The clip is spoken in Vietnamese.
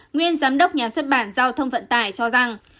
nguyên giám đốc nhà xuất bản giao thông vận tải cho rằng